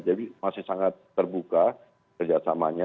jadi masih sangat terbuka kerjasamanya